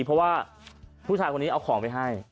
เพราะว่าผู้ชายคนนี้เอาของไปให้